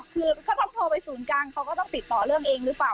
คือก็ต้องโทรไปศูนย์กลางเขาก็ต้องติดต่อเรื่องเองหรือเปล่า